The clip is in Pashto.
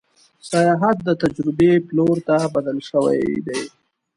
سیاحت د تجربې پلور ته بدل شوی دی.